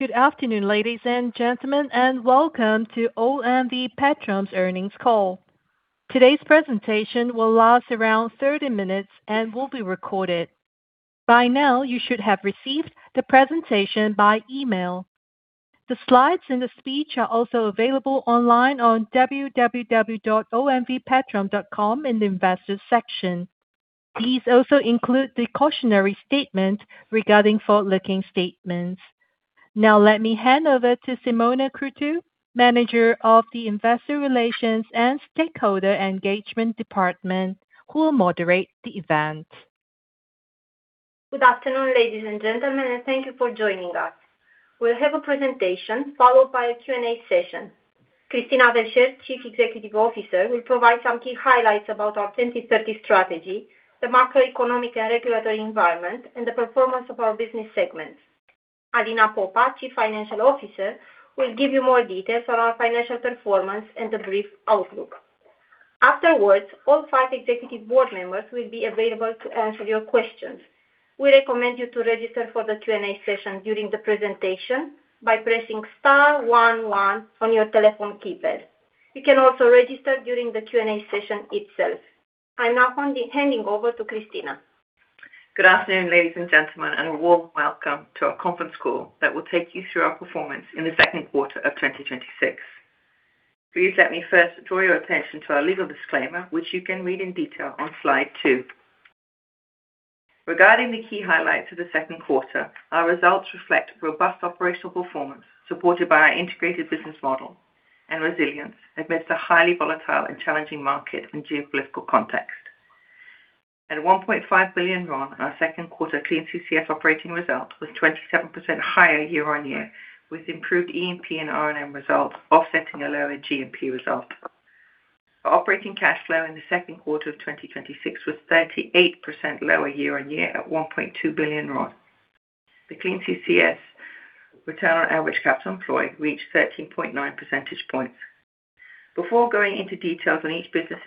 Good afternoon, ladies and gentlemen. Welcome to OMV Petrom's earnings call. Today's presentation will last around 30 minutes and will be recorded. By now, you should have received the presentation by email. The slides and the speech are also available online on www.omvpetrom.com in the Investors section. These also include the cautionary statement regarding forward-looking statements. Now let me hand over to Simona Cruțu, Manager of the Investor Relations and Stakeholder Engagement Department, who will moderate the event. Good afternoon, ladies and gentlemen. Thank you for joining us. We'll have a presentation followed by a Q&A session. Christina Verchere, Chief Executive Officer, will provide some key highlights about our 2030 strategy, the macroeconomic and regulatory environment, and the performance of our business segments. Alina Popa, Chief Financial Officer, will give you more details on our financial performance and a brief outlook. Afterwards, all five executive board members will be available to answer your questions. We recommend you to register for the Q&A session during the presentation by pressing star one one on your telephone keypad. You can also register during the Q&A session itself. I'm now handing over to Christina. Good afternoon, ladies and gentlemen. A warm welcome to our conference call that will take you through our performance in the second quarter of 2026. Please let me first draw your attention to our legal disclaimer, which you can read in detail on slide two. Regarding the key highlights of the second quarter, our results reflect robust operational performance, supported by our integrated business model and resilience amidst a highly volatile and challenging market and geopolitical context. At RON 1.5 billion, our second quarter Clean CCS operating result was 27% higher year-on-year, with improved E&P and R&M results offsetting a lower G&P result. Our operating cash flow in the second quarter of 2026 was 38% lower year-on-year at RON 1.2 billion. The Clean CCS return on average capital employed reached 13.9 percentage points. Before going into details on each business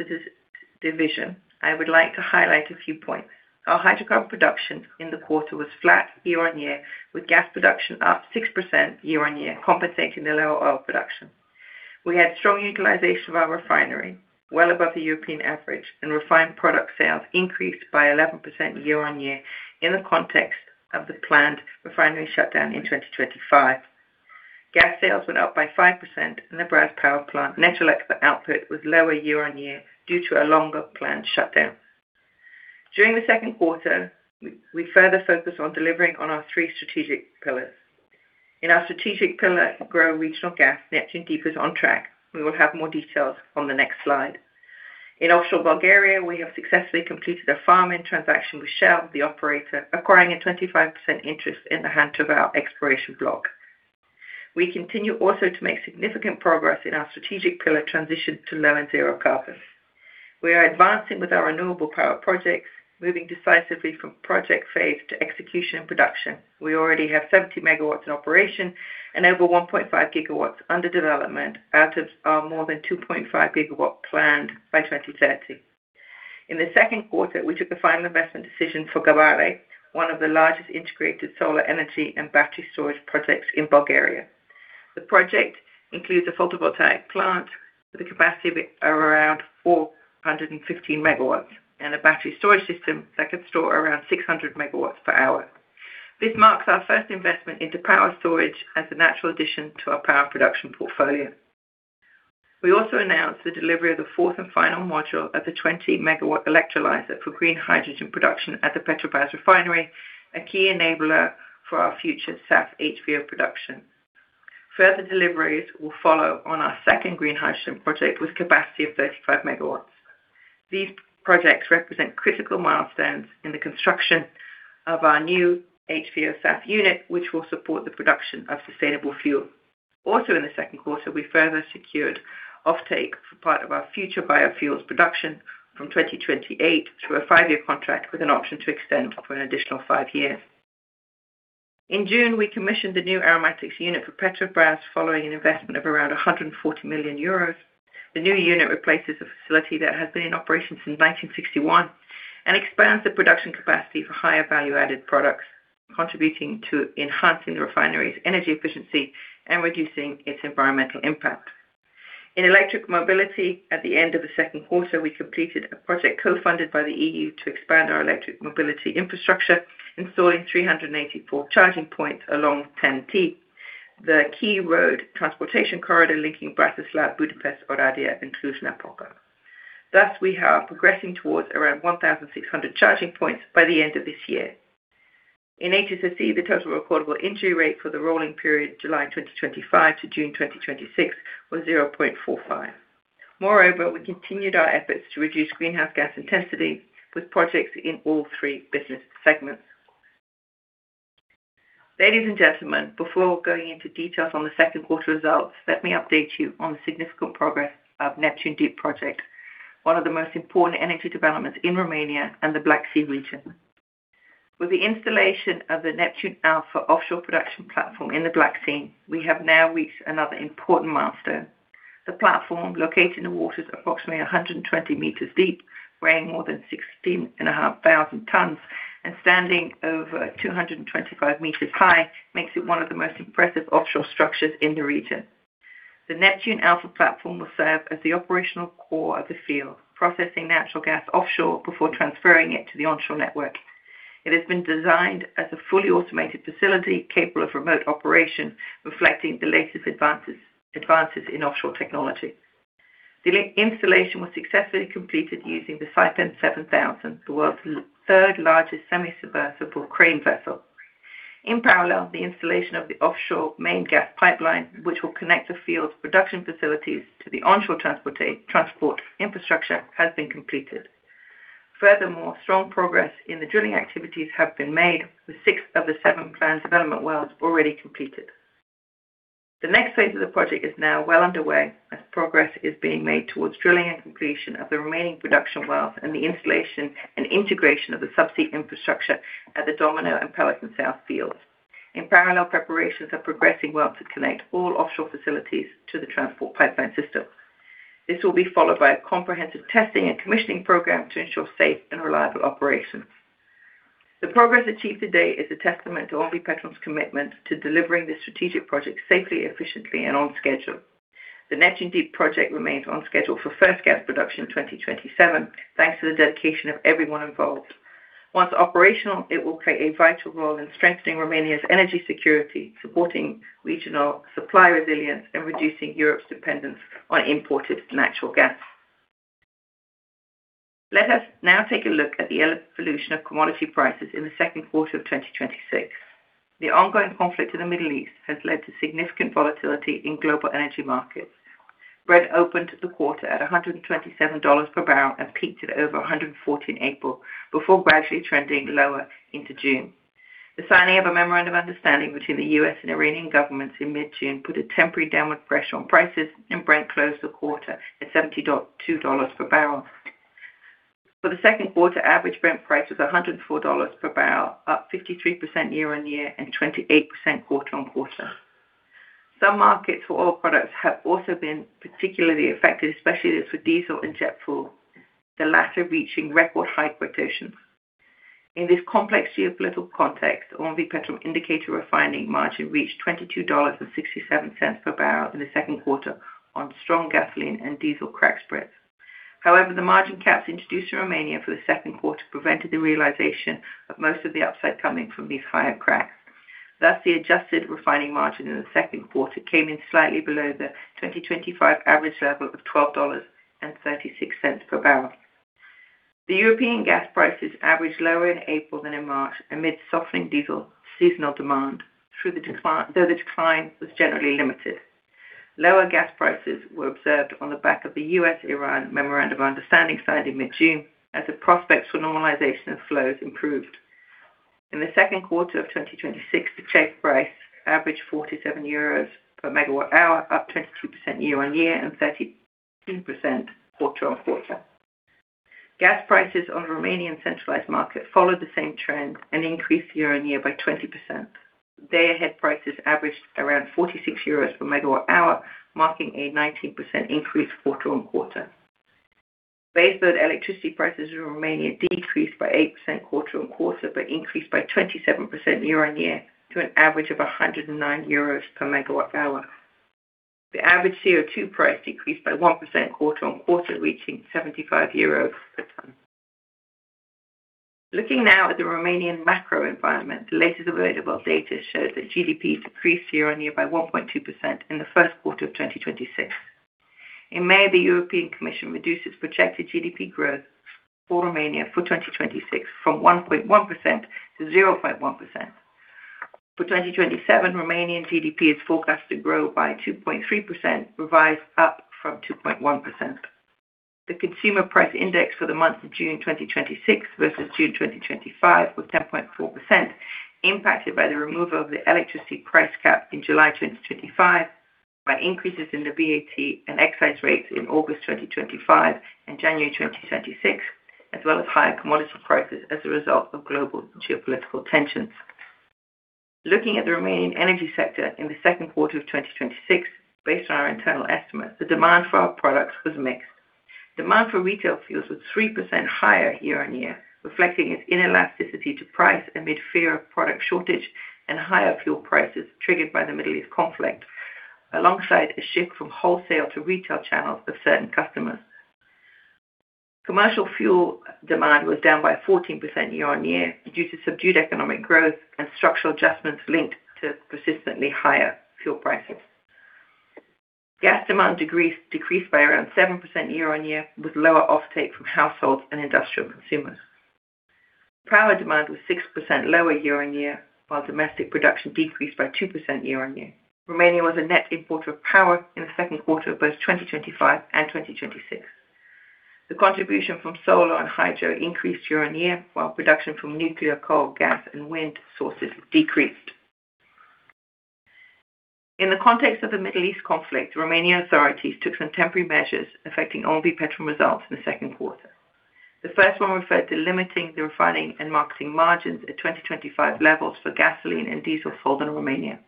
division, I would like to highlight a few points. Our hydrocarbon production in the quarter was flat year-on-year, with gas production up 6% year-on-year, compensating the lower oil production. We had strong utilization of our refinery well above the European average, and refined product sales increased by 11% year-on-year in the context of the planned refinery shutdown in 2025. Gas sales went up by 5%, and the Brazi Power Plant net electric output was lower year-on-year due to a longer planned shutdown. During the second quarter, we further focused on delivering on our three strategic pillars. In our strategic pillar Grow Regional Gas, Neptun Deep is on track. We will have more details on the next slide. In Offshore Bulgaria, we have successfully completed a farm-in transaction with Shell, the operator acquiring a 25% interest in the Han Tervel exploration block. We continue also to make significant progress in our strategic pillar transition to low and zero [carbon]. We are advancing with our renewable power projects, moving decisively from project phase to execution production. We already have 70 MW in operation and over 1.5 GW under development out of our more than 2.5 GW planned by 2030. In the second quarter, we took the final investment decision for Gabare, one of the largest integrated solar energy and battery storage projects in Bulgaria. The project includes a photovoltaic plant with a capacity of around 415 MW and a battery storage system that can store around 600 MW per hour. This marks our first investment into power storage as a natural addition to our power production portfolio. We also announced the delivery of the fourth and final module of the 20 MW electrolyzer for green hydrogen production at the Petrobrazi refinery, a key enabler for our future SAF HVO production. Further deliveries will follow on our second green hydrogen project with capacity of 35 MW. These projects represent critical milestones in the construction of our new HVO SAF unit, which will support the production of sustainable fuel. Also in the second quarter, we further secured offtake for part of our future biofuels production from 2028 through a five-year contract with an option to extend for an additional five years. In June, we commissioned the new Aromatics unit for Petrobrazi following an investment of around 140 million euros. The new unit replaces a facility that has been in operation since 1961 and expands the production capacity for higher value-added products, contributing to enhancing the refinery's energy efficiency and reducing its environmental impact. In electric mobility, at the end of the second quarter, we completed a project co-funded by the EU to expand our electric mobility infrastructure, installing 384 charging points along TEN-T, the key road transportation corridor linking Bratislava, Budapest, Oradea, and Cluj-Napoca. Thus, we are progressing towards around 1,600 charging points by the end of this year. In HSSE, the total recordable injury rate for the rolling period July 2025 to June 2026 was 0.45. Moreover, we continued our efforts to reduce greenhouse gas intensity with projects in all three business segments. Ladies and gentlemen, before going into details on the second quarter results, let me update you on the significant progress of Neptun Deep Project, one of the most important energy developments in Romania and the Black Sea region. With the installation of the Neptun Alpha offshore production platform in the Black Sea, we have now reached another important milestone. The platform located in the waters approximately 120 meters deep, weighing more than 16,500 tons and standing over 225 meters high, makes it one of the most impressive offshore structures in the region. The Neptun Alpha platform will serve as the operational core of the field, processing natural gas offshore before transferring it to the onshore network. It has been designed as a fully automated facility capable of remote operation, reflecting the latest advances in offshore technology. The installation was successfully completed using the Saipem 7000, the world's third-largest semi-submersible crane vessel. In parallel, the installation of the offshore main gas pipeline, which will connect the field's production facilities to the onshore transport infrastructure, has been completed. Furthermore, strong progress in the drilling activities have been made, with six of the seven planned development wells already completed. The next phase of the project is now well underway as progress is being made towards drilling and completion of the remaining production wells and the installation and integration of the subsea infrastructure at the Domino and Pelican South fields. In parallel, preparations are progressing well to connect all offshore facilities to the transport pipeline system. This will be followed by a comprehensive testing and commissioning program to ensure safe and reliable operations. The progress achieved to date is a testament to OMV Petrom's commitment to delivering the strategic project safely, efficiently, and on schedule. The Neptun Deep Project remains on schedule for first gas production in 2027, thanks to the dedication of everyone involved. Once operational, it will play a vital role in strengthening Romania's energy security, supporting regional supply resilience, and reducing Europe's dependence on imported natural gas. Let us now take a look at the evolution of commodity prices in the second quarter of 2026. The ongoing conflict in the Middle East has led to significant volatility in global energy markets. Brent opened the quarter at $127 per bbl and peaked at over 140 in April before gradually trending lower into June. The signing of a memorandum of understanding between the U.S. and Iranian governments in mid-June put a temporary downward pressure on prices. Brent closed the quarter at $72 per bbl. For the second quarter, average Brent price was $104 per bbl, up 53% year-on-year and 28% quarter-on-quarter. Some markets for oil products have also been particularly affected, especially for diesel and jet fuel, the latter reaching record high quotations. In this complex geopolitical context, OMV Petrom indicator refining margin reached $22.67 per bbl in the second quarter on strong gasoline and diesel crack spreads. The margin caps introduced in Romania for the second quarter prevented the realization of most of the upside coming from these higher cracks. The adjusted refining margin in the second quarter came in slightly below the 2025 average level of $12.36 per bbl. The European gas prices averaged lower in April than in March amid softening diesel seasonal demand, though the decline was generally limited. Lower gas prices were observed on the back of the U.S.-Iran memorandum of understanding signed in mid-June as the prospects for normalization of flows improved. In the second quarter of 2026, the CEGH price averaged 47 euros per MWh, up 23% year-on-year and 32% quarter-on-quarter. Gas prices on Romanian centralized market followed the same trend and increased year-on-year by 20%. Day-ahead prices averaged around 46 euros per MWh, marking a 19% increase quarter-on-quarter. Base load electricity prices in Romania decreased by 8% quarter-on-quarter, but increased by 27% year-on-year to an average of 109 euros per MWh. The average CO2 price decreased by 1% quarter-on-quarter, reaching EUR 75 per ton. Looking now at the Romanian macro environment, the latest available data shows that GDP decreased year-on-year by 1.2% in the first quarter of 2026. In May, the European Commission reduced its projected GDP growth for Romania for 2026 from 1.1% to 0.1%. For 2027, Romanian GDP is forecast to grow by 2.3%, revised up from 2.1%. The consumer price index for the month of June 2026 versus June 2025 was 10.4%, impacted by the removal of the electricity price cap in July 2025, by increases in the VAT and excise rates in August 2025 and January 2026, as well as higher commodity prices as a result of global geopolitical tensions. Looking at the Romanian energy sector in the second quarter of 2026, based on our internal estimates, the demand for our products was mixed. Demand for retail fuels was 3% higher year-on-year, reflecting its inelasticity to price amid fear of product shortage and higher fuel prices triggered by the Middle East conflict, alongside a shift from wholesale to retail channels of certain customers. Commercial fuel demand was down by 14% year-on-year due to subdued economic growth and structural adjustments linked to persistently higher fuel prices. Gas demand decreased by around 7% year-on-year, with lower offtake from households and industrial consumers. Power demand was 6% lower year-on-year, while domestic production decreased by 2% year-on-year. Romania was a net importer of power in the second quarter of both 2025 and 2026. The contribution from solar and hydro increased year-on-year, while production from nuclear, coal, gas, and wind sources decreased. In the context of the Middle East conflict, Romanian authorities took some temporary measures affecting OMV Petrom results in the second quarter. The first one referred to limiting the refining and marketing margins at 2025 levels for gasoline and diesel sold in Romania.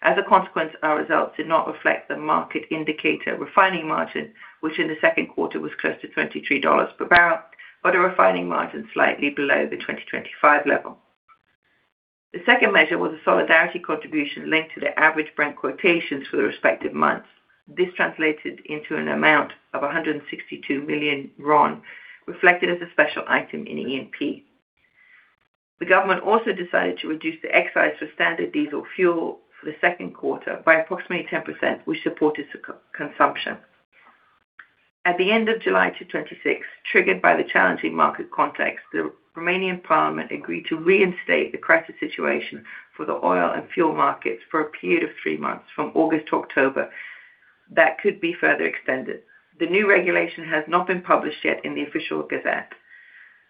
As a consequence, our results did not reflect the market indicator refining margin, which in the second quarter was close to $23 per bbl, but a refining margin slightly below the 2025 level. The second measure was a solidarity contribution linked to the average Brent quotations for the respective months. This translated into an amount of RON 162 million, reflected as a special item in E&P. The government also decided to reduce the excise for standard diesel fuel for the second quarter by approximately 10%, which supported consumption. At the end of July 2026, triggered by the challenging market context, the Romanian Parliament agreed to reinstate the crisis situation for the oil and fuel markets for a period of three months from August to October. That could be further extended. The new regulation has not been published yet in the Official Gazette.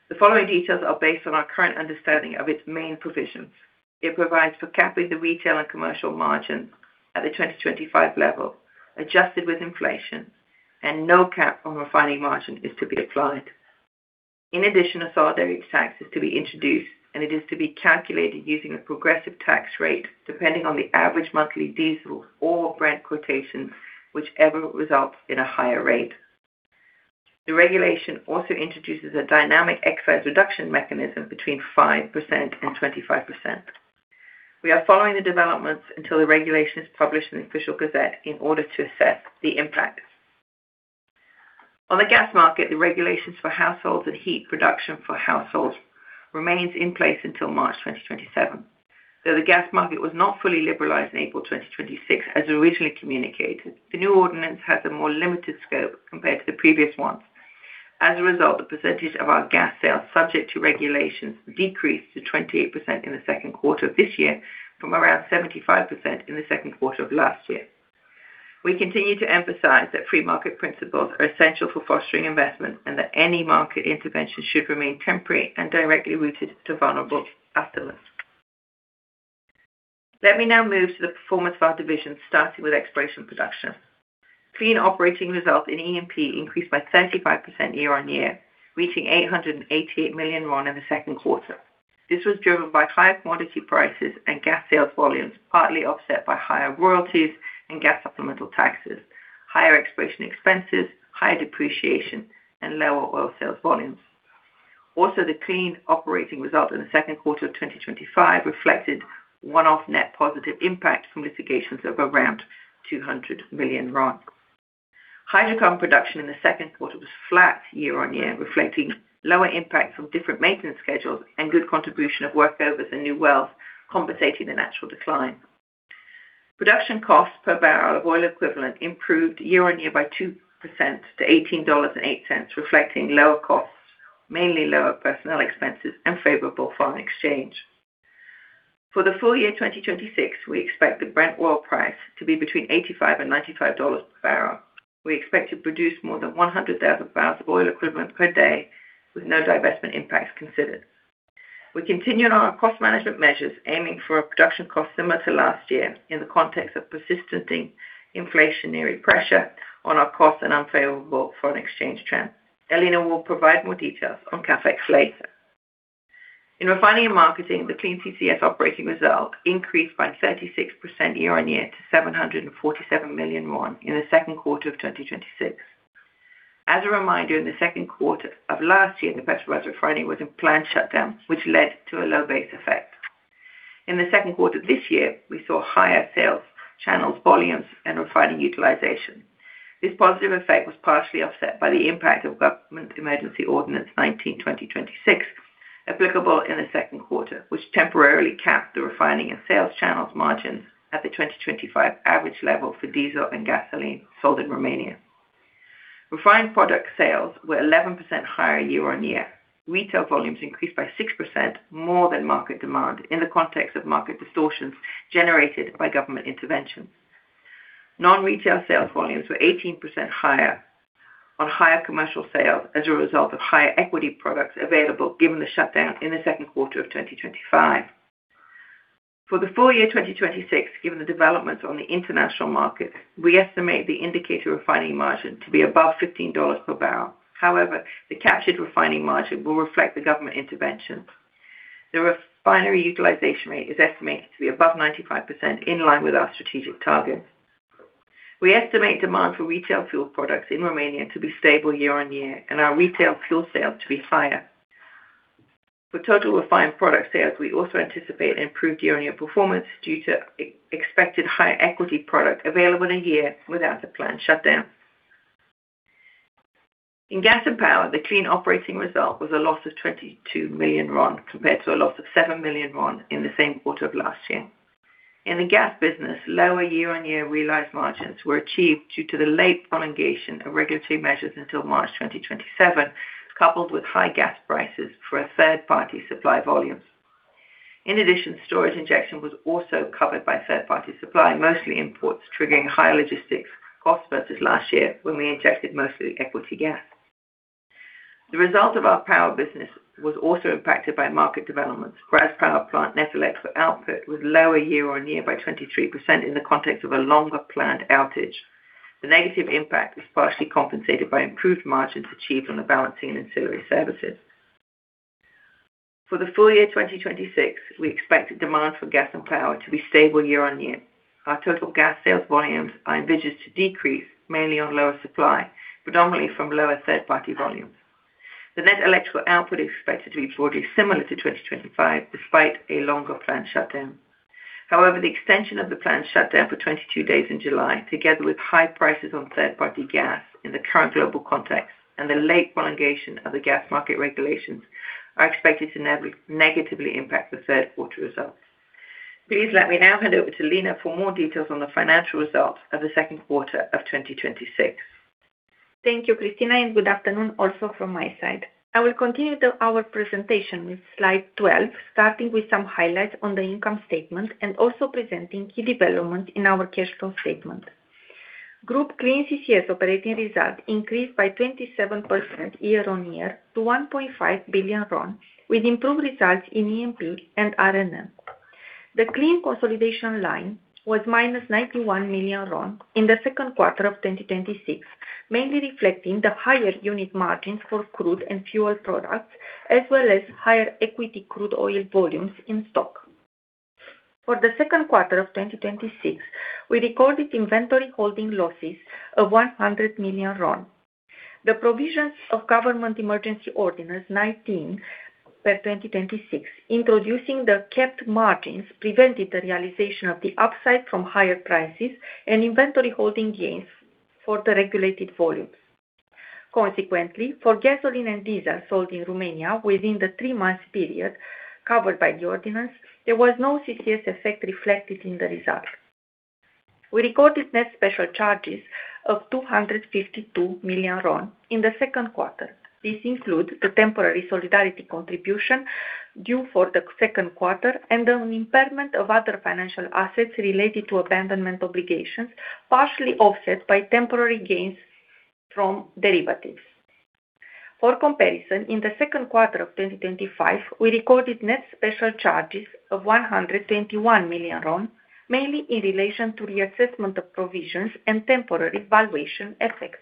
The following details are based on our current understanding of its main provisions. It provides for capping the retail and commercial margins at the 2025 level, adjusted with inflation. No cap on refining margin is to be applied. In addition, a solidarity tax is to be introduced, and it is to be calculated using a progressive tax rate depending on the average monthly diesel or Brent quotation, whichever results in a higher rate. The regulation also introduces a dynamic excise reduction mechanism between 5% and 25%. We are following the developments until the regulation is published in the Official Gazette in order to assess the impact. On the gas market, the regulations for households and heat production for households remains in place until March 2027. The gas market was not fully liberalized in April 2026, as originally communicated, the new ordinance has a more limited scope compared to the previous ones. As a result, the percentage of our gas sales subject to regulations decreased to 28% in the second quarter of this year from around 75% in the second quarter of last year. We continue to emphasize that free market principles are essential for fostering investment and that any market intervention should remain temporary and directly rooted to vulnerable customers. Let me now move to the performance of our division, starting with exploration production. Clean operating results in E&P increased by 35% year-on-year, reaching RON 888 million in the second quarter. This was driven by higher commodity prices and gas sales volumes, partly offset by higher royalties and gas supplemental taxes, higher exploration expenses, higher depreciation, and lower oil sales volumes. Also, the clean operating result in the second quarter of 2025 reflected one-off net positive impact from litigations of around RON 200 million. Hydrocarbon production in the second quarter was flat year-on-year, reflecting lower impact from different maintenance schedules and good contribution of workovers and new wells compensating the natural decline. Production cost per bbl of oil equivalent improved year-on-year by 2% to $18.08, reflecting lower costs, mainly lower personnel expenses and favorable foreign exchange. For the full year 2026, we expect the Brent oil price to be between $85 and $95 per bbl. We expect to produce more than 100,000 bbl of oil equivalent per day with no divestment impacts considered. We continue on our cost management measures, aiming for a production cost similar to last year in the context of persistent inflationary pressure on our cost and unfavorable foreign exchange trends. Alina will provide more details on CapEx later. In Refining and Marketing, the clean CCS operating result increased by 36% year-on-year to RON 747 million in the second quarter of 2026. As a reminder, in the second quarter of last year, the Petrobrazi Refinery was in planned shutdown, which led to a low base effect. In the second quarter this year, we saw higher sales, channels volumes, and refining utilization. This positive effect was partially offset by the impact of Government Emergency Ordinance 19/2026, applicable in the second quarter, which temporarily capped the refining and sales channels margins at the 2025 average level for diesel and gasoline sold in Romania. Refined product sales were 11% higher year-on-year. Retail volumes increased by 6% more than market demand in the context of market distortions generated by government interventions. Non-retail sales volumes were 18% higher on higher commercial sales as a result of higher equity products available given the shutdown in the second quarter of 2025. For the full year 2026, given the developments on the international market, we estimate the indicator refining margin to be above $15 per bbl. However, the captured refining margin will reflect the government intervention. The refinery utilization rate is estimated to be above 95%, in line with our strategic targets. We estimate demand for retail fuel products in Romania to be stable year-on-year, and our retail fuel sales to be higher. For total refined product sales, we also anticipate improved year-on-year performance due to expected higher equity product available in a year without a planned shutdown. In Gas and Power, the clean operating result was a loss of RON 22 million compared to a loss of RON 7 million in the same quarter of last year. In the gas business, lower year-on-year realized margins were achieved due to the late prolongation of regulatory measures until March 2027, coupled with high gas prices for a third-party supply volume. In addition, storage injection was also covered by third-party supply, mostly imports, triggering higher logistics cost versus last year when we injected mostly equity gas. The result of our power business was also impacted by market developments. Brazi Power Plant net electric output was lower year-on-year by 23% in the context of a longer planned outage. The negative impact is partially compensated by improved margins achieved on the balancing and ancillary services. For the full year 2026, we expect demand for gas and power to be stable year-on-year. Our total gas sales volumes are envisaged to decrease mainly on lower supply, predominantly from lower third-party volumes. The net electrical output is expected to be broadly similar to 2025, despite a longer planned shutdown. However, the extension of the planned shutdown for 22 days in July, together with high prices on third-party gas in the current global context, and the late prolongation of the gas market regulations are expected to negatively impact the third quarter results. Please let me now hand over to Alina for more details on the financial results of the second quarter of 2026. Thank you, Christina. Good afternoon also from my side. I will continue our presentation with slide 12, starting with some highlights on the income statement and also presenting key developments in our cash flow statement. Group Clean CCS operating results increased by 27% year-on-year to RON 1.5 billion, with improved results in E&P and R&M. The Clean consolidation line was RON -91 million in the second quarter of 2026, mainly reflecting the higher unit margins for crude and fuel products, as well as higher equity crude oil volumes in stock. For the second quarter of 2026, we recorded inventory holding losses of RON 100 million. The provisions of Government Emergency Ordinance 19/2026, introducing the capped margins, prevented the realization of the upside from higher prices and inventory holding gains for the regulated volumes. Consequently, for gasoline and diesel sold in Romania within the three-month period covered by the ordinance, there was no CCS effect reflected in the results. We recorded net special charges of RON 252 million in the second quarter. This includes the temporary solidarity contribution due for the second quarter and an impairment of other financial assets related to abandonment obligations, partially offset by temporary gains from derivatives. For comparison, in the second quarter of 2025, we recorded net special charges of RON 121 million, mainly in relation to the assessment of provisions and temporary valuation effects.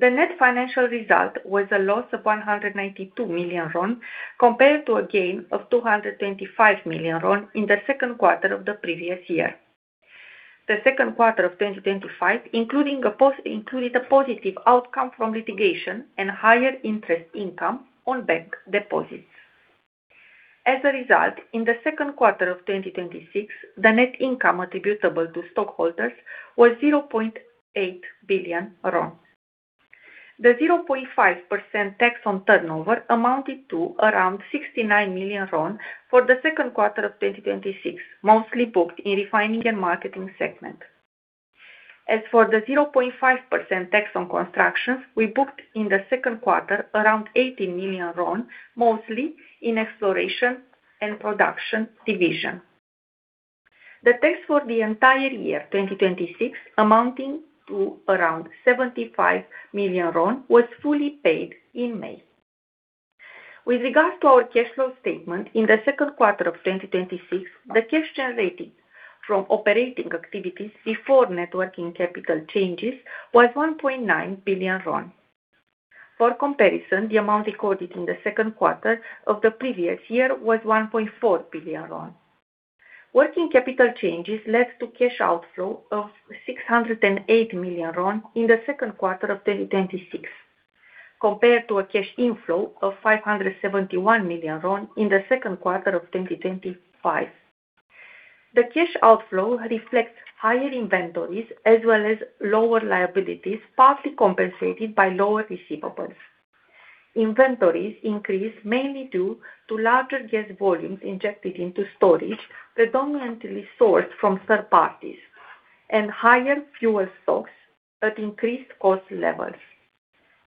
The net financial result was a loss of RON 192 million compared to a gain of RON 225 million in the second quarter of the previous year. The second quarter of 2025 included a positive outcome from litigation and higher interest income on bank deposits. As a result, in the second quarter of 2026, the net income attributable to stockholders was RON 0.8 billion. The 0.5% tax on turnover amounted to around RON 69 million for the second quarter of 2026, mostly booked in Refining and Marketing segment. As for the 0.5% tax on constructions, we booked in the second quarter around RON 18 million, mostly in Exploration and Production division. The tax for the entire year 2026, amounting to around RON 75 million, was fully paid in May. With regard to our cash flow statement in the second quarter of 2026, the cash generated from operating activities before net working capital changes was RON 1.9 billion. For comparison, the amount recorded in the second quarter of the previous year was RON 1.4 billion. Working capital changes led to cash outflow of RON 608 million in the second quarter of 2026, compared to a cash inflow of RON 571 million in the second quarter of 2025. The cash outflow reflects higher inventories as well as lower liabilities, partly compensated by lower receivables. Inventories increased mainly due to larger gas volumes injected into storage, predominantly sourced from third parties, and higher fuel stocks at increased cost levels.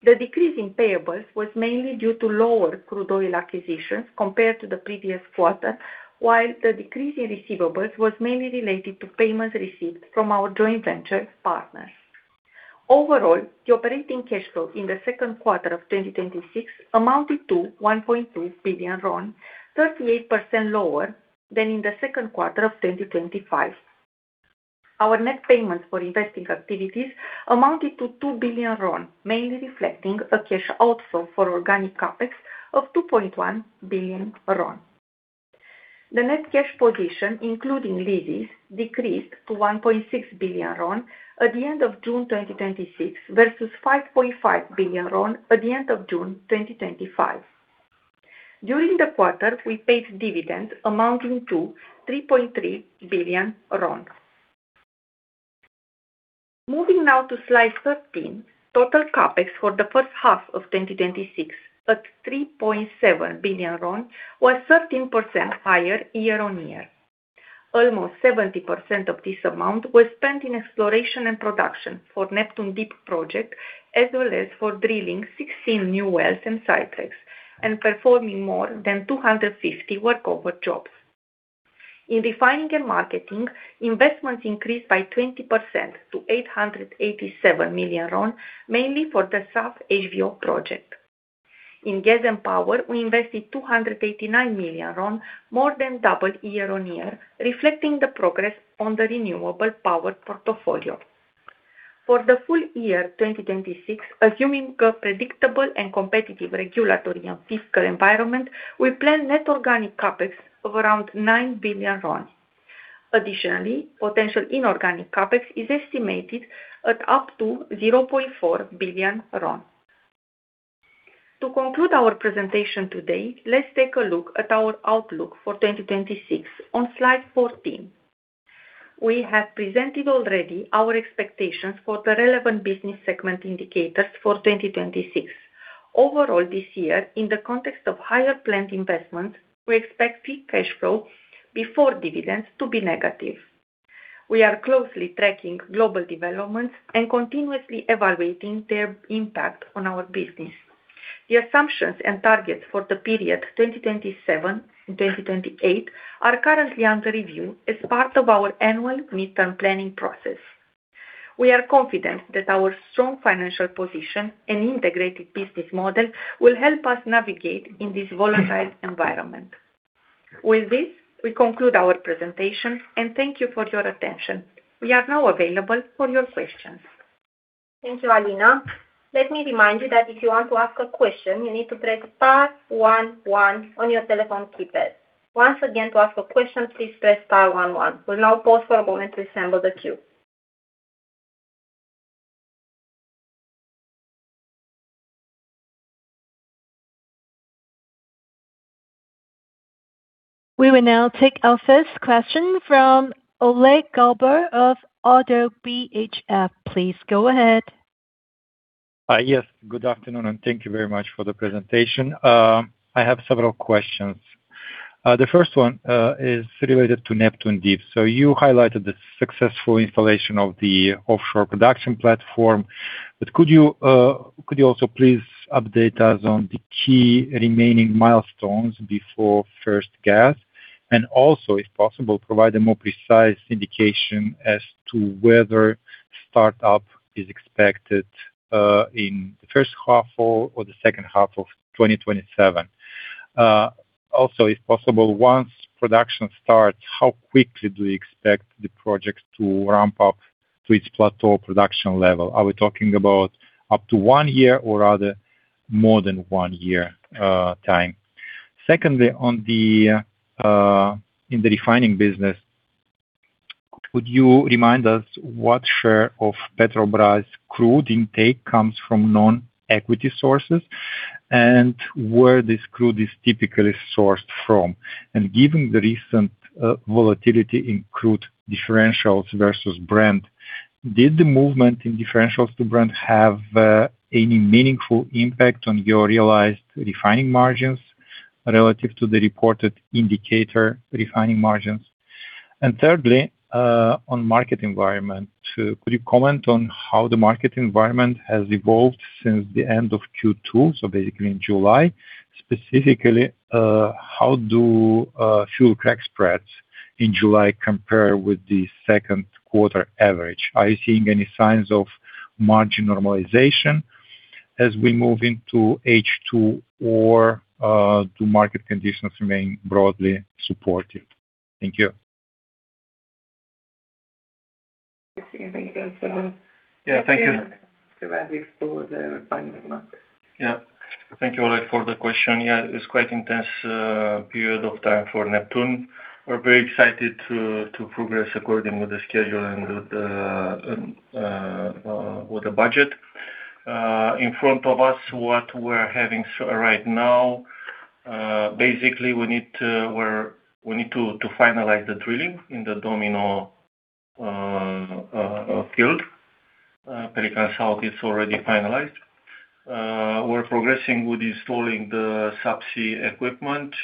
The decrease in payables was mainly due to lower crude oil acquisitions compared to the previous quarter, while the decrease in receivables was mainly related to payments received from our joint venture partners. Overall, the operating cash flow in the second quarter of 2026 amounted to RON 1.2 billion, 38% lower than in the second quarter of 2025. Our net payments for investing activities amounted to RON 2 billion, mainly reflecting a cash outflow for organic CapEx of RON 2.1 billion. The net cash position, including leases, decreased to RON 1.6 billion at the end of June 2026 versus RON 5.5 billion at the end of June 2025. During the quarter, we paid dividends amounting to RON 3.3 billion. Moving now to slide 13. Total CapEx for the first half of 2026 at RON 3.7 billion was 13% higher year-on-year. Almost 70% of this amount was spent in Exploration and Production for Neptun Deep Project, as well as for drilling 16 new wells in Sipex and performing more than 250 workover jobs. In Refining and Marketing, investments increased by 20% to RON 887 million, mainly for the SAF HVO project. In Gas and Power, we invested RON 289 million, more than double year-on-year, reflecting the progress on the renewable power portfolio. For the full year 2026, assuming a predictable and competitive regulatory and fiscal environment, we plan net organic CapEx of around RON 9 billion. Additionally, potential inorganic CapEx is estimated at up to RON 0.4 billion. To conclude our presentation today, let's take a look at our outlook for 2026 on slide 14. We have presented already our expectations for the relevant business segment indicators for 2026. Overall, this year, in the context of higher planned investment, we expect free cash flow before dividends to be negative. We are closely tracking global developments and continuously evaluating their impact on our business. The assumptions and targets for the period 2027 and 2028 are currently under review as part of our annual midterm planning process. We are confident that our strong financial position and integrated business model will help us navigate in this volatile environment. With this, we conclude our presentation. Thank you for your attention. We are now available for your questions. Thank you, Alina. Let me remind you that if you want to ask a question, you need to press star one one on your telephone keypad. Once again, to ask a question, please press star one one. We'll now pause for a moment to assemble the queue. We will now take our first question from Oleg Galbur of ODDO BHF. Please go ahead. Yes. Good afternoon, thank you very much for the presentation. I have several questions. The first one is related to Neptun Deep. You highlighted the successful installation of the offshore production platform. Could you also please update us on the key remaining milestones before first gas? Also, if possible, provide a more precise indication as to whether startup is expected in the first half or the second half of 2027. Also, if possible, once production starts, how quickly do you expect the project to ramp up to its plateau production level? Are we talking about up to one year or rather more than one year time? Secondly, in the refining business, would you remind us what share of Petrobrazi crude intake comes from non-equity sources and where this crude is typically sourced from? Given the recent volatility in crude differentials versus Brent, did the movement in differentials to Brent have any meaningful impact on your realized refining margins relative to the reported indicator refining margins? Thirdly, on market environment. Could you comment on how the market environment has evolved since the end of Q2, basically in July? Specifically, how do fuel crack spreads in July compare with the second quarter average? Are you seeing any signs of margin normalization as we move into H2 or do market conditions remain broadly supportive? Thank you. For the refining market. Thank you, Oleg, for the question. It's quite intense period of time for Neptun. We're very excited to progress according with the schedule and with the budget. In front of us, what we're having right now, basically, we need to finalize the drilling in the Domino field. Pelican South is already finalized. We're progressing with installing the subsea equipment,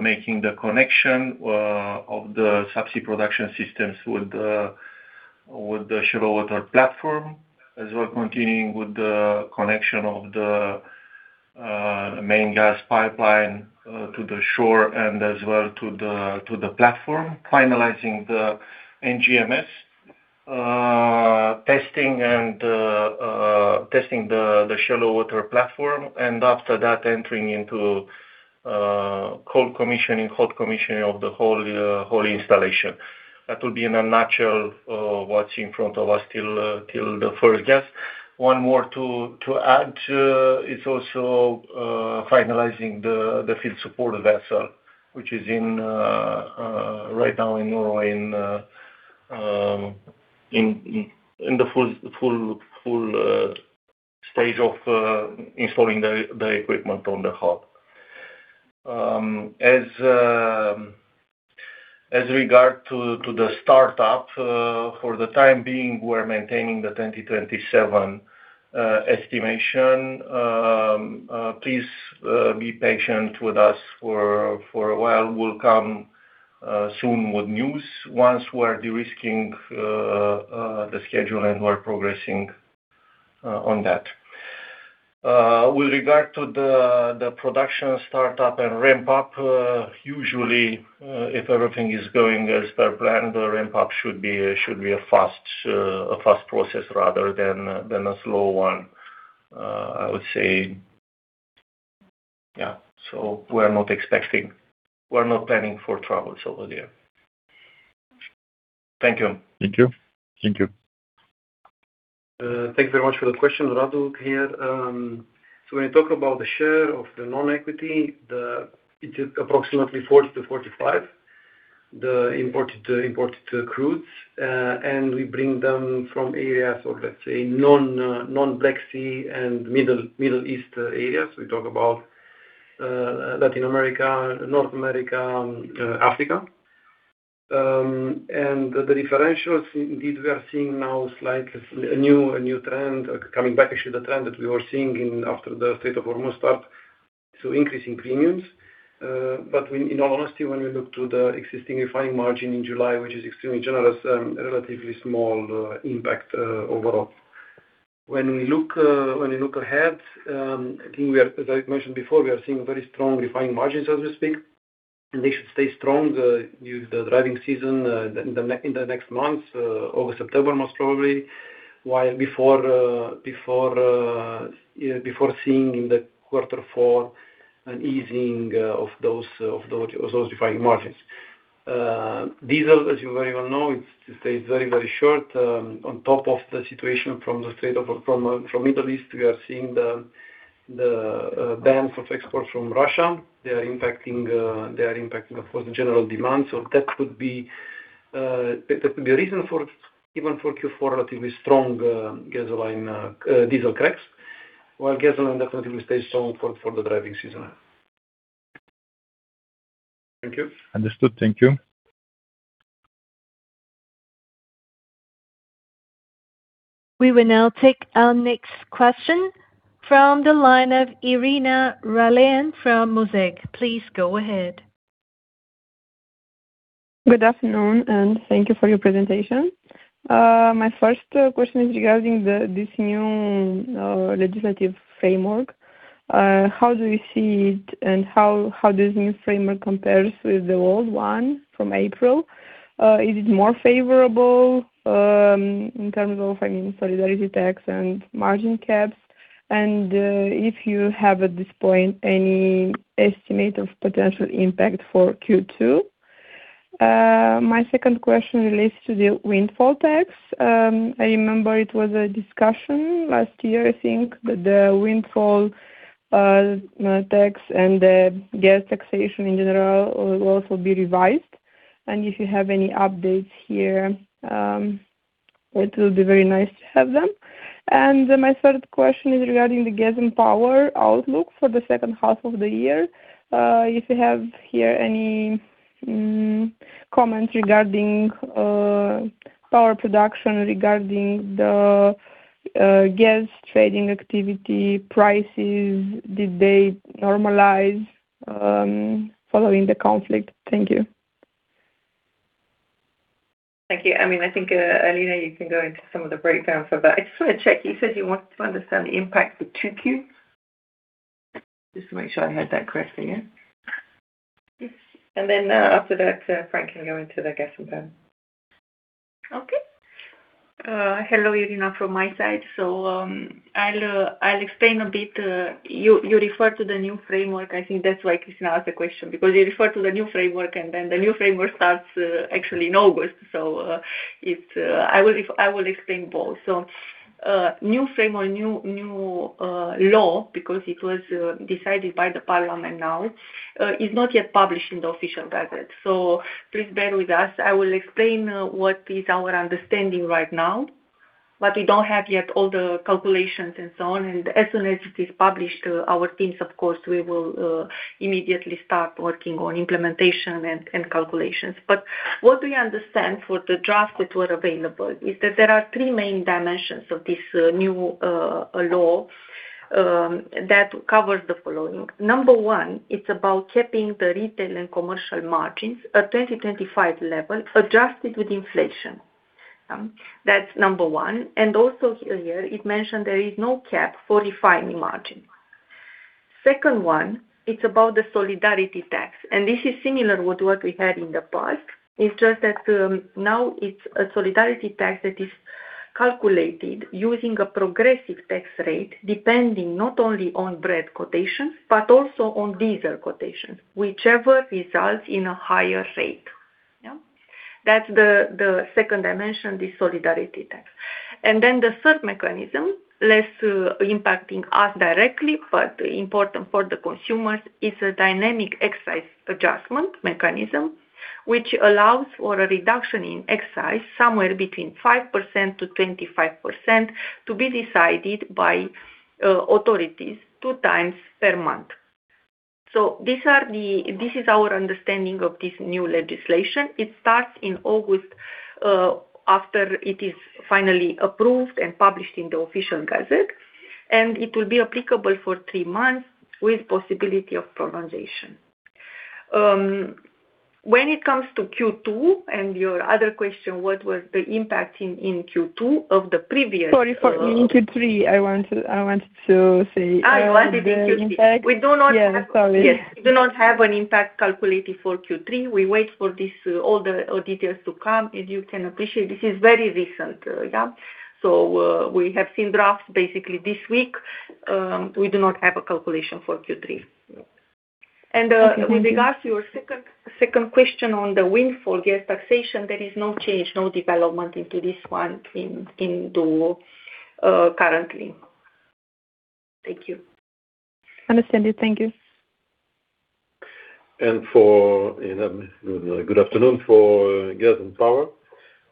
making the connection of the subsea production systems with the shallow water platform, as we're continuing with the connection of the main gas pipeline to the shore and as well to the platform, finalizing the NGMS, testing the shallow water platform, and after that, entering into cold commissioning, hot commissioning of the whole installation. That will be in a nutshell what's in front of us till the first gas. One more to add, it's also finalizing the field support vessel, which is right now in the full stage of installing the equipment on the hub. As regard to the startup for the time being, we're maintaining the 2027 estimation. Please be patient with us for a while. We'll come soon with news once we're de-risking the schedule and we're progressing on that. With regard to the production startup and ramp-up, usually, if everything is going as per plan, the ramp-up should be a fast process rather than a slow one, I would say We're not planning for troubles over there. Thank you. Thank you. Thank you. Thanks very much for the question. Radu here. When you talk about the share of the non-equity, it is approximately 40%-45%, the imported crudes, and we bring them from areas of, let's say, non-Black Sea and Middle East areas. We talk about Latin America, North America, and Africa. The differentials, indeed, we are seeing now slightly a new trend coming back, actually, the trend that we were seeing after the Strait of Hormuz start, so increase in premiums. In all honesty, when we look to the existing refining margin in July, which is extremely generous, a relatively small impact overall. When we look ahead, I think as I mentioned before, we are seeing very strong refining margins as we speak. They should stay strong due to the driving season in the next months, over September, most probably, before seeing in the quarter four an easing of those refining margins. Diesel, as you very well know, it stays very short. On top of the situation from Middle East, we are seeing the bans of exports from Russia. They are impacting, of course, the general demand. That could be a reason, even for Q4, relatively strong diesel cracks. Gasoline definitely will stay strong for the driving season. Thank you. Understood. Thank you. We will now take our next question from the line of Irina Răilean from Mosaiq8. Please go ahead. Good afternoon. Thank you for your presentation. My first question is regarding this new legislative framework. How do you see it. How this new framework compares with the old one from April? Is it more favorable in terms of solidarity tax and margin caps? If you have, at this point, any estimate of potential impact for Q2? My second question relates to the windfall tax. I remember it was a discussion last year, I think, that the windfall tax and the gas taxation in general will also be revised. If you have any updates here, it will be very nice to have them. My third question is regarding the Gas and Power outlook for the second half of the year. If you have here any comments regarding power production, regarding the gas trading activity prices, did they normalize following the conflict? Thank you. Thank you. I think, Alina, you can go into some of the breakdowns of that. I just want to check. You said you want to understand the impact for 2Q? Just to make sure I heard that correctly, yeah? Yes. After that, Franck can go into the Gas and Power. Okay. Hello, Irina, from my side. I'll explain a bit. You referred to the new framework. I think that's why Christina asked the question, because you referred to the new framework, the new framework starts actually in August. I will explain both. New framework, new law, because it was decided by the Parliament now, is not yet published in the Official Gazette. Please bear with us. I will explain what is our understanding right now, but we don't have yet all the calculations and so on. As soon as it is published, our teams, of course, we will immediately start working on implementation and calculations. What we understand for the drafts that were available is that there are three main dimensions of this new law that covers the following. Number one, it's about capping the retail and commercial margins at 2025 level, adjusted with inflation. That's Number one. Also here, it mentioned there is no cap for refining margin. Second one, it's about the solidarity tax, this is similar with what we had in the past. It's just that now it's a solidarity tax that is calculated using a progressive tax rate, depending not only on Brent quotations, but also on diesel quotations, whichever results in a higher rate. That's the second dimension, the solidarity tax. The third mechanism, less impacting us directly, but important for the consumers, is a dynamic excise adjustment mechanism, which allows for a reduction in excise somewhere between 5%-25% to be decided by authorities two times per month. This is our understanding of this new legislation. It starts in August, after it is finally approved and published in the Official Gazette, and it will be applicable for three months with possibility of prolongation. When it comes to Q2 and your other question, what was the impact in Q2 of the previous- Sorry, in Q3, I wanted to say. You wanted in Q3. Yeah, sorry. Yes. We do not have an impact calculated for Q3. We wait for all the details to come. As you can appreciate, this is very recent. We have seen drafts basically this week. We do not have a calculation for Q3. With regards to your second question on the windfall gas taxation, there is no change, no development into this one currently. Thank you. Understand you. Thank you. Good afternoon. For Gas and Power,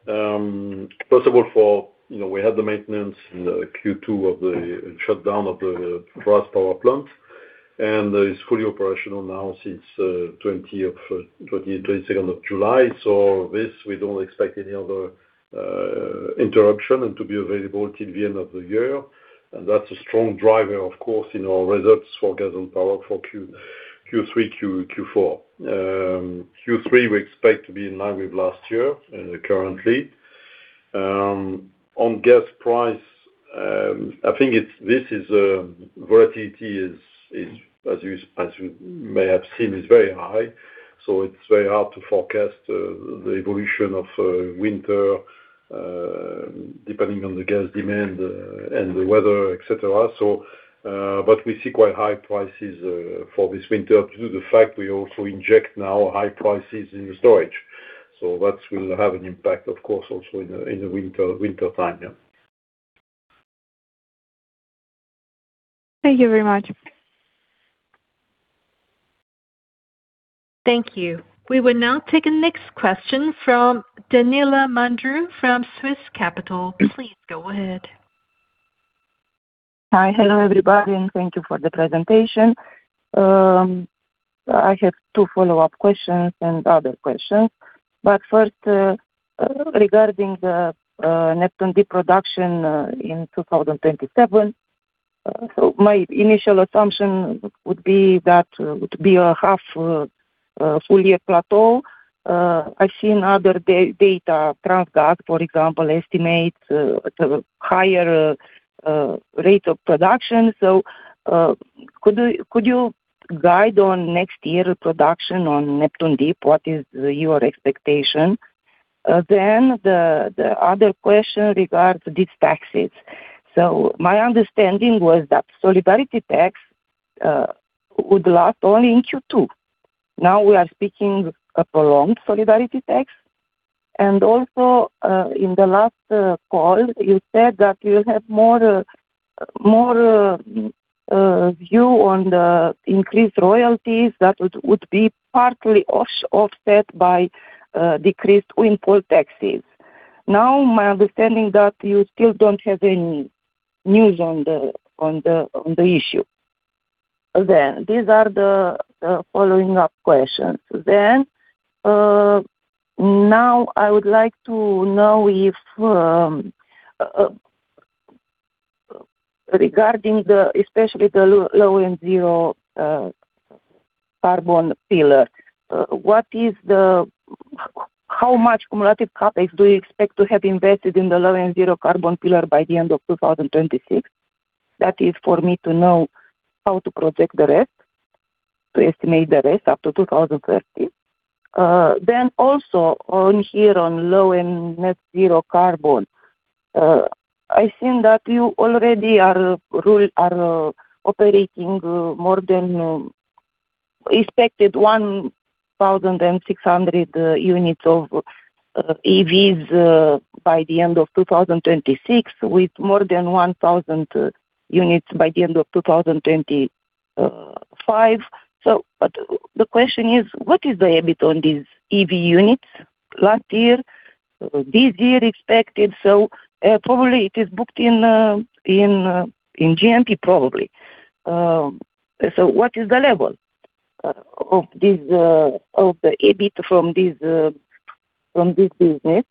first of all, we had the maintenance in the Q2 of the shutdown of the Brazi Power Plant, and it's fully operational now since 22nd of July. This, we don't expect any other interruption and to be available till the end of the year. That's a strong driver, of course, in our results for Gas and Power for Q3, Q4. Q3, we expect to be in line with last year currently. On gas price, I think volatility, as you may have seen, is very high. It's very hard to forecast the evolution of winter, depending on the gas demand and the weather, et cetera. We see quite high prices for this winter due to the fact we also inject now high prices in the storage. That will have an impact, of course, also in the winter time, yeah. Thank you very much. Thank you. We will now take the next question from Daniela Mandru from Swiss Capital. Please go ahead. First, regarding the Neptun Deep production in 2027, my initial assumption would be a half full year plateau. I've seen other data, Transgaz, for example, estimate higher rates of production. Could you guide on next year production on Neptun Deep? What is your expectation? The other question regards these taxes. My understanding was that solidarity tax would last only in Q2. Now we are speaking of prolonged solidarity tax. Also, in the last call, you said that you'll have more view on the increased royalties that would be partly offset by decreased windfall taxes. My understanding that you still don't have any news on the issue. These are the following up questions. Now I would like to know if regarding especially the low and zero carbon pillar, how much cumulative CAPEX do you expect to have invested in the low and zero carbon pillar by the end of 2026? That is for me to know how to project the rest, to estimate the rest up to 2030. Also on here, on low and net zero carbon, I've seen that you already are operating more than expected, 1,600 units of EVs by the end of 2026, with more than 1,000 units by the end of 2025. The question is, what is the EBITDA on these EV units last year, this year expected? Probably it is booked in G&P, probably. What is the level of the EBITDA from this business?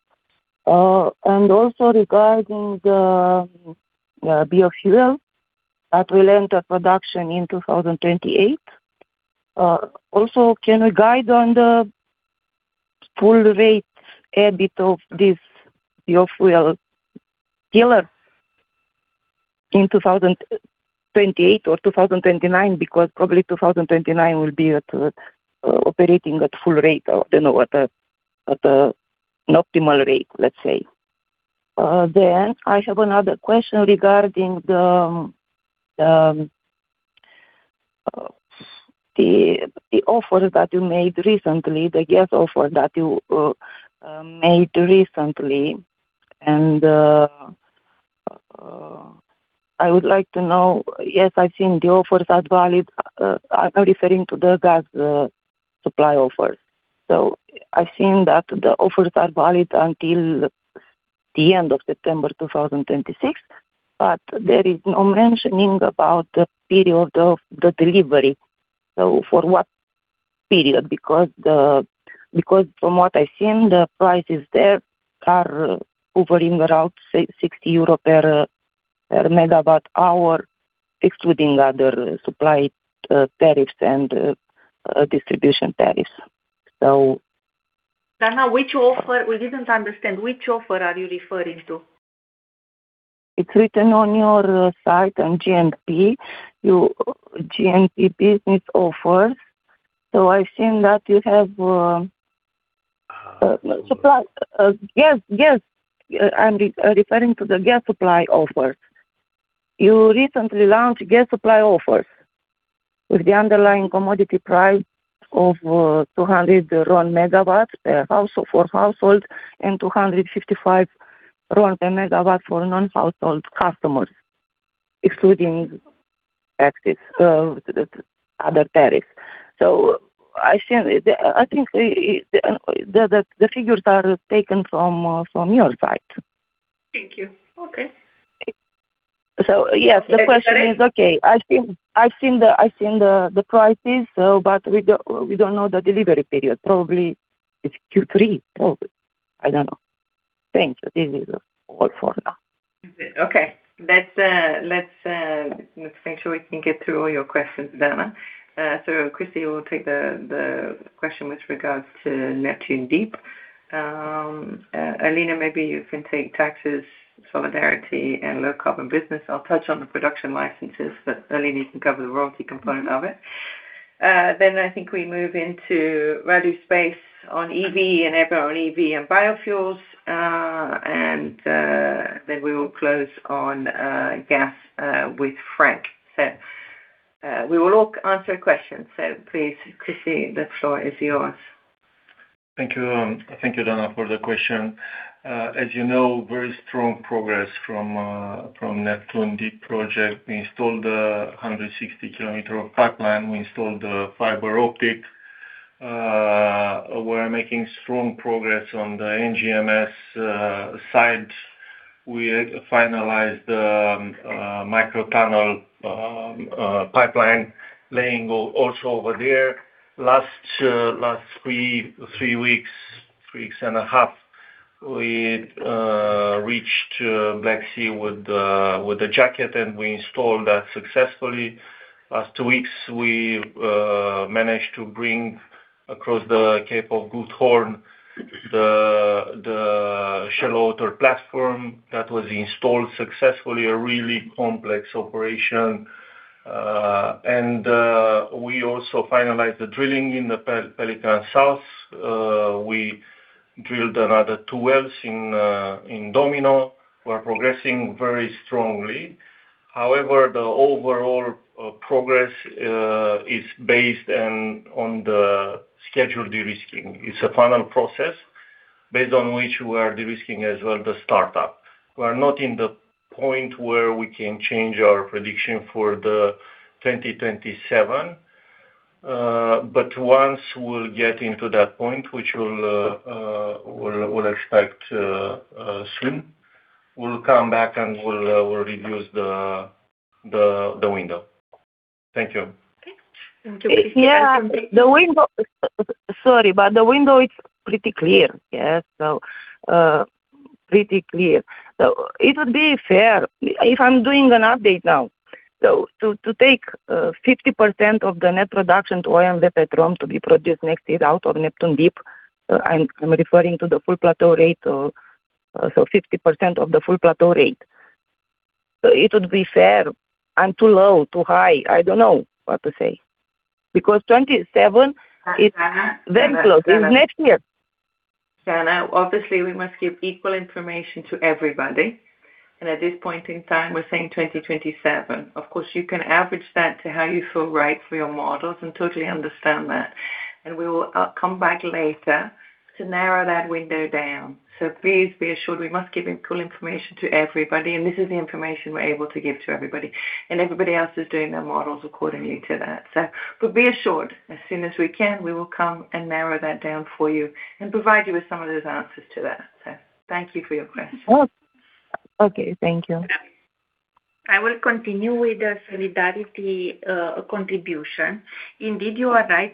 Also regarding the biofuel that will enter production in 2028. Also, can you guide on the full rate EBITDA of this biofuel pillar in 2028 or 2029? Because probably 2029 will be operating at full rate, or at an optimal rate, let's say. I have another question regarding the offer that you made recently, the gas offer that you made recently. I would like to know, yes, I've seen the offers are valid. I'm referring to the gas supply offer. I've seen that the offers are valid until the end of September 2026, but there is no mentioning about the period of the delivery. For what period? Because from what I've seen, the prices there are hovering around 60 euro per, excluding othe MWh supply tariffs and distribution tariffs. Dana, we didn't understand. Which offer are you referring to? It's written on your site on G&P, G&P business offer. I've seen that you have. Yes. I'm referring to the gas supply offer. You recently launched gas supply offers with the underlying commodity price of RON 200 MW for households and RON 255 MW for non-household customers, excluding taxes, other tariffs. I think the figures are taken from your site. Thank you. Okay. The question is, I've seen the prices, but we don't know the delivery period. Probably it's Q3. I don't know. Thank you. This is all for now. Let's make sure we can get through all your questions, Dana. Cristi will take the question with regards to Neptun Deep. Alina, maybe you can take taxes, solidarity, and low-carbon business. I'll touch on the production licenses, but Alina can cover the royalty component of it. I think we move into value space on EV and EB and biofuels. We will close on gas with Franck. We will all answer questions. Please, Cristi, the floor is yours. Thank you, Dana, for the question. As you know, very strong progress from Neptun Deep Project. We installed 160 km of pipeline. We installed the fiber optic. We're making strong progress on the NGMS side. We had finalized the micro tunnel pipeline laying also over there. Last three weeks and a half, we reached Black Sea with the jacket, and we installed that successfully. Last two weeks, we managed to bring across the Cape of Good Hope, the shallow water platform that was installed successfully, a really complex operation. We also finalized the drilling in the Pelican South. We drilled another two wells in Domino. We're progressing very strongly. The overall progress is based on the scheduled de-risking. It's a final process based on which we are de-risking as well the startup. We are not in the point where we can change our prediction for the 2027. Once we'll get into that point, which we'll expect soon, we'll come back and we'll reduce the window. Thank you. Okay. Thank you. Sorry, the window is pretty clear. Yes. Pretty clear. It would be fair if I'm doing an update now. To take 50% of the net production to OMV Petrom to be produced next year out of Neptun Deep, I'm referring to the full plateau rate, 50% of the full plateau rate. It would be fair and too low, too high, I don't know what to say. 2027 is- Dana Very close. It's next year. Dana, obviously, we must give equal information to everybody. At this point in time, we're saying 2027. Of course, you can average that to how you feel right for your models and totally understand that. We will come back later to narrow that window down. Please be assured, we must give equal information to everybody, and this is the information we're able to give to everybody. Everybody else is doing their models accordingly to that. Be assured, as soon as we can, we will come and narrow that down for you and provide you with some of those answers to that. Thank you for your question. Okay. Thank you. I will continue with the solidarity contribution. Indeed, you are right.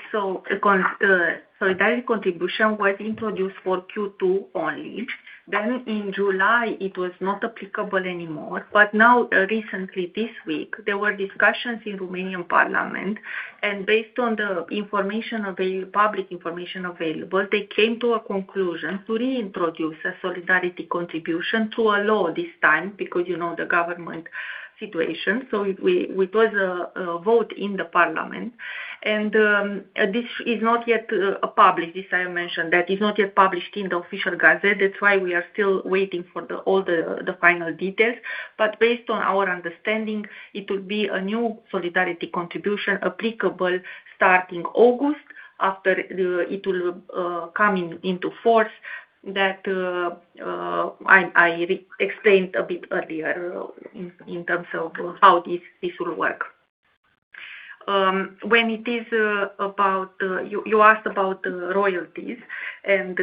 Solidarity contribution was introduced for Q2 only. In July, it was not applicable anymore. Now, recently, this week, there were discussions in Romanian Parliament, and based on the public information available, they came to a conclusion to reintroduce a solidarity contribution to a law this time because of the government situation. It was a vote in the Parliament. This is not yet published. This I mentioned, that is not yet published in the Official Gazette. That's why we are still waiting for all the final details. Based on our understanding, it will be a new solidarity contribution applicable starting August after it will come into force that I explained a bit earlier in terms of how this will work. You asked about royalties and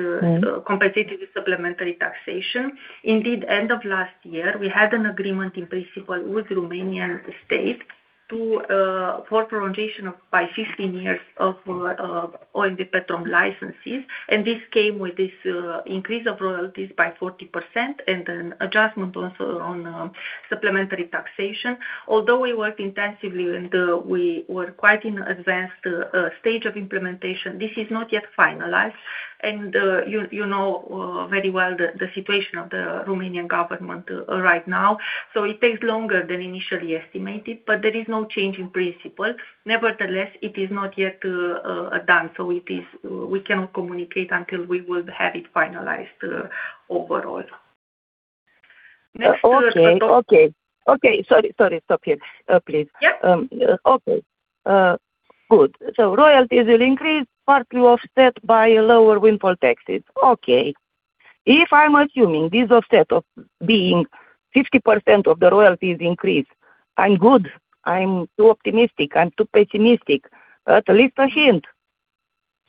competitive supplementary taxation. Indeed, end of last year, we had an agreement in principle with Romanian state for prolongation by 15 years of oil and Petrom licenses, this came with this increase of royalties by 40% and an adjustment also on supplementary taxation. Although we worked intensively and we were quite in advanced stage of implementation, this is not yet finalized. You know very well the situation of the Romanian government right now. It takes longer than initially estimated, but there is no change in principle. Nevertheless, it is not yet done. We cannot communicate until we will have it finalized overall. Okay. Sorry, stop here, please. Yep. Okay, good. Royalties will increase, partly offset by lower windfall taxes. Okay. If I'm assuming this offset of being 50% of the royalties increase, I'm good, I'm too optimistic, I'm too pessimistic. At least a hint.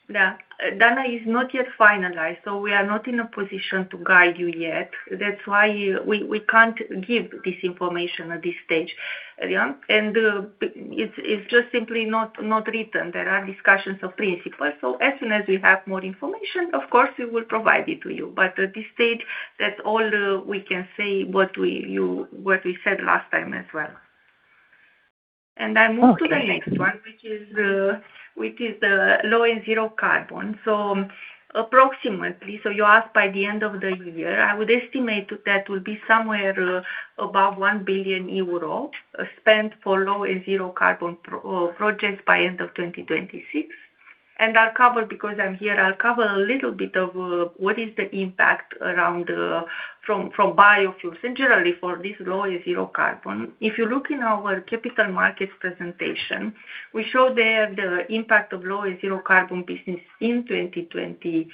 Yeah. Dana, it's not yet finalized, we are not in a position to guide you yet. That's why we can't give this information at this stage. It's just simply not written. There are discussions of principle. As soon as we have more information, of course, we will provide it to you. At this stage, that's all we can say, what we said last time as well. I move to the next one, which is the low and zero carbon. You ask by the end of the year. I would estimate that will be somewhere above 1 billion euro spent for low and zero carbon projects by end of 2026. Because I'm here, I'll cover a little bit of what is the impact from biofuels and generally for this low and zero carbon. If you look in our capital markets presentation, we show there the impact of low and zero carbon business in 2030.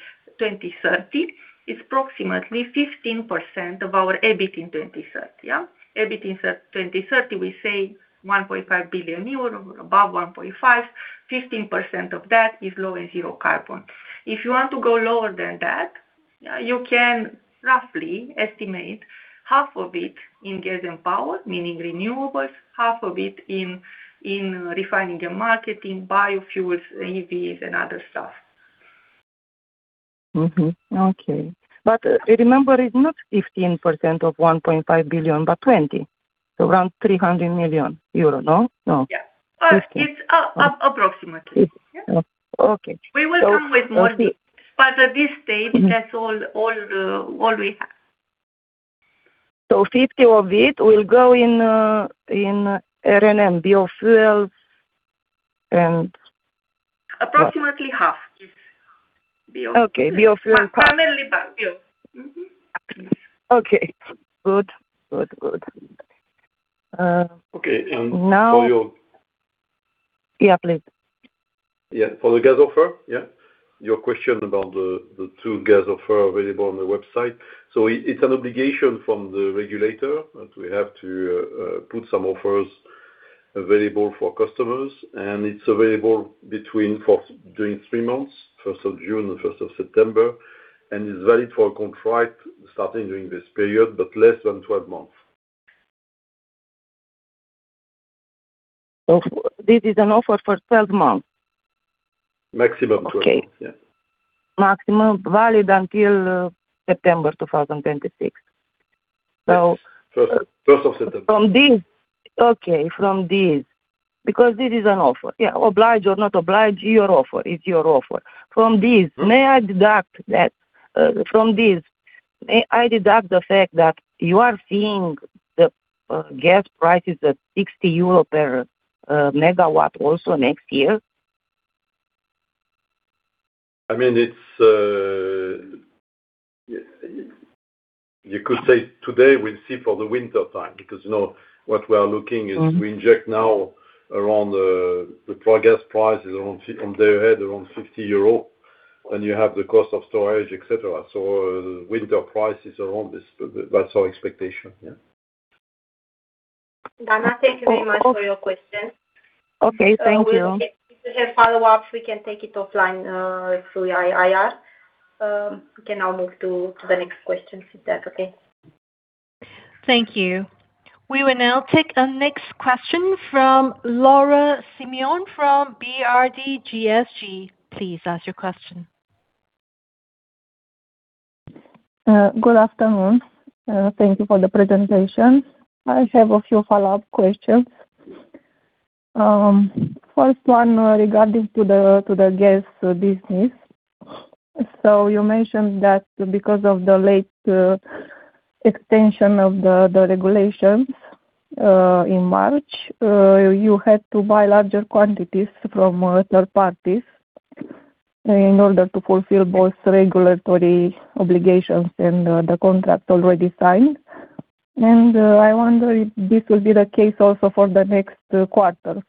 It's approximately 15% of our EBITDA in 2030. EBITDA in 2030, we say 1.5 billion euros, above 1.5 billion, 15% of that is low and zero carbon. If you want to go lower than that, you can roughly estimate half of it in Gas and Power, meaning renewables, half of it in Refining and Marketing, biofuels, EVs, and other stuff. Mm-hmm. Okay. Remember, it's not 15% of 1.5 billion, but 20. Around 300 million euro, no? Yeah. It's approximately. Okay. We will come with more, at this stage, that's all we have. 50 of it will go in R&M, biofuels, and... Approximately half is biofuel. Okay. Biofuel and power. Primarily bio. Okay. Good. Okay. For your- Yeah, please. Yeah. For the gas offer, your question about the two gas offer available on the website. It's an obligation from the regulator that we have to put some offers available for customers, it's available during three months, 1st of June and 1st of September, and it's valid for a contract starting during this period, but less than 12 months. This is an offer for 12 months? Maximum 12 months, yeah. Okay. Maximum valid until September 2026. 1st of September. From this, because this is an offer. Oblige or not oblige, it's your offer. From this, may I deduct the fact that you are seeing the gas prices at 60 euro per MW also next year? You could say today we'll see for the wintertime, because what we are looking is we inject now around the plug gas prices on their head, around 60 euro, and you have the cost of storage, et cetera. Winter prices around this, that's our expectation. Yeah. Dana, thank you very much for your question. Okay, thank you. If we have follow-ups, we can take it offline through IR. We can now move to the next question if that's okay. Thank you. We will now take a next question from Laura Simion from BRD-Groupe Société Générale. Please ask your question. Good afternoon. Thank you for the presentation. I have a few follow-up questions. First one regarding to the gas business. You mentioned that because of the late extension of the regulations in March, you had to buy larger quantities from third parties in order to fulfill both regulatory obligations and the contract already signed. I wonder if this will be the case also for the next quarters.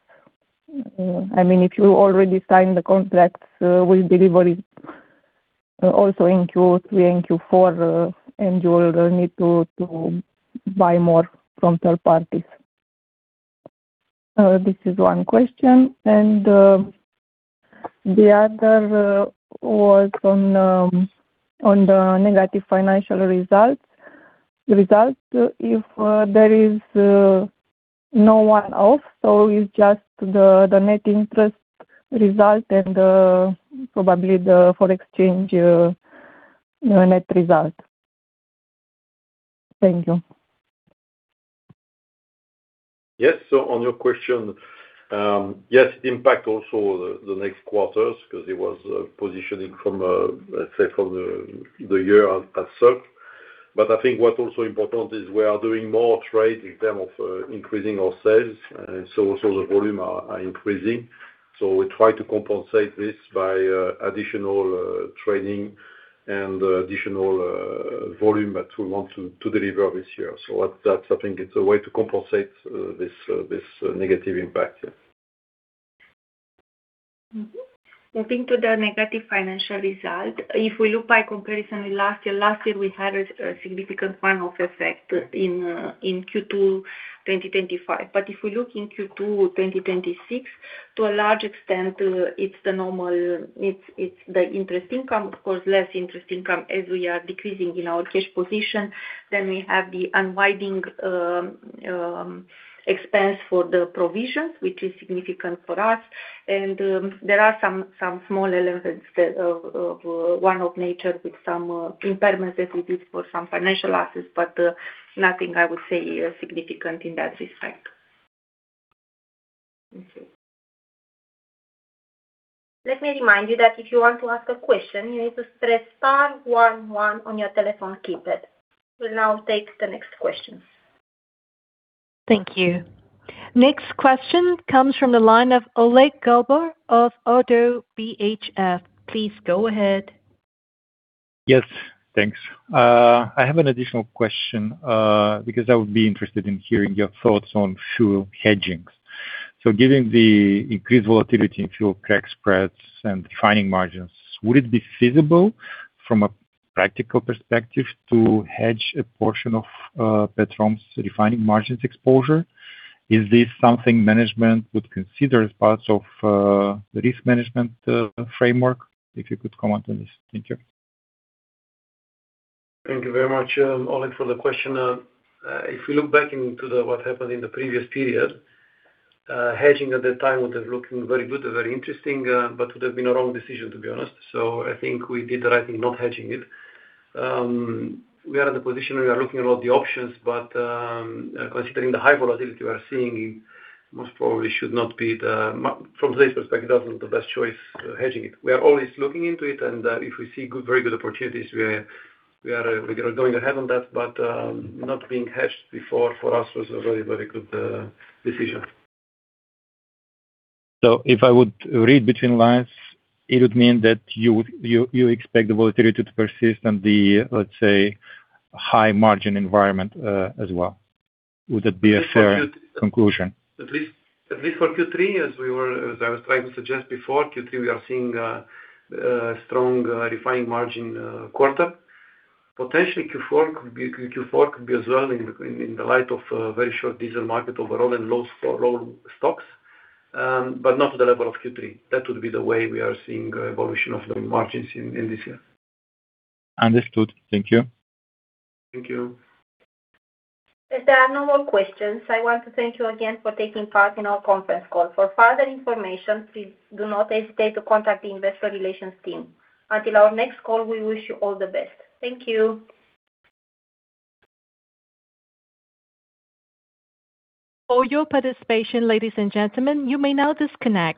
If you already signed the contracts with delivery also in Q3 and Q4, you will need to buy more from third parties. This is one question, the other was on the negative financial results. Results, if there is no one-off, it's just the net interest result and probably the foreign exchange net result. Thank you. Yes. On your question. Yes, impact also the next quarters because it was positioning from, let's say, from the year as such. I think what's also important is we are doing more trade in term of increasing our sales, the volume are increasing. We try to compensate this by additional trading and additional volume that we want to deliver this year. That, I think, it's a way to compensate this negative impact. Moving to the negative financial result. If we look by comparison with last year, last year, we had a significant one-off effect in Q2 2025. If we look in Q2 2026, to a large extent, it's the interest income. Of course, less interest income as we are decreasing in our cash position. We have the unwinding expense for the provisions, which is significant for us. There are some small elements of one-off nature with some impairments that we did for some financial assets, but nothing, I would say, significant in that respect. Let me remind you that if you want to ask a question, you need to press star one one on your telephone keypad. We'll now take the next question. Thank you. Next question comes from the line of Oleg Galbur of ODDO BHF. Please go ahead. Yes. Thanks. I have an additional question, because I would be interested in hearing your thoughts on fuel hedging. Given the increased volatility in fuel crack spreads and refining margins, would it be feasible from a practical perspective to hedge a portion of Petrom's refining margins exposure? Is this something management would consider as part of the risk management framework? If you could comment on this. Thank you. Thank you very much, Oleg, for the question. If we look back into what happened in the previous period, hedging at that time would have looked very good and very interesting, but would have been a wrong decision, to be honest. I think we did the right thing not hedging it. We are in the position where we are looking at all the options, but considering the high volatility we are seeing, From today's perspective, that's not the best choice, hedging it. We are always looking into it, and if we see very good opportunities, we are going ahead on that. Not being hedged before, for us, was a very good decision. If I would read between lines, it would mean that you expect the volatility to persist and the, let's say, high margin environment as well. Would that be a fair conclusion? At least for Q3, as I was trying to suggest before Q3, we are seeing a strong refining margin quarter. Potentially Q4 could be as well in the light of a very short diesel market overall and low stock, but not to the level of Q3. That would be the way we are seeing evolution of the margins in this year. Understood. Thank you. Thank you. If there are no more questions, I want to thank you again for taking part in our conference call. For further information, please do not hesitate to contact the Investor Relations team. Until our next call, we wish you all the best. Thank you. For your participation, ladies and gentlemen, you may now disconnect.